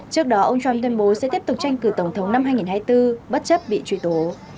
trước đó ông trump tuyên bố sẽ tiếp tục tranh cử tổng thống năm hai nghìn hai mươi bốn bất chấp bị truy tố